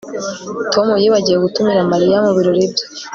Tom yibagiwe gutumira Mariya mubirori bye